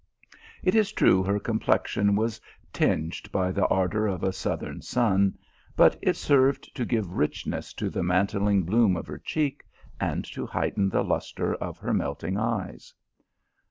It is true, her complexion was tinged by the nidour of a southern sun, but it served to give rich ness to the mantling bloom of her cheek, and to heighten the lustre of her melting eyes.